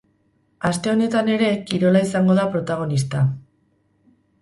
Aste honetan ere, kirola izango da protagonista.